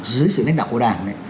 dưới sự lãnh đạo của đảng đấy